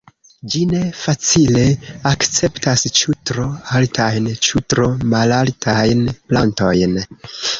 Ĝi ne facile akceptas ĉu tro altajn ĉu tro malaltajn plantojn.